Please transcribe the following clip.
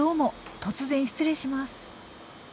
突然失礼します。